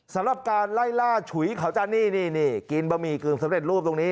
สำหรับการไล่ล่าฉุยเขาจันนี่นี่กินบะหมี่กึ่งสำเร็จรูปตรงนี้